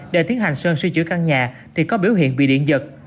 để thiến hành sơn sửa chữa căn nhà thì có biểu hiện bị điện giật